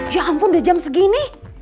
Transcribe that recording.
ya ampun udah jam segini